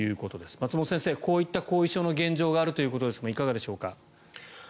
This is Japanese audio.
松本先生、こういった後遺症の現状があるということですがいかがでしょうか？